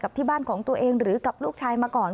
ที่บ้านของตัวเองหรือกับลูกชายมาก่อน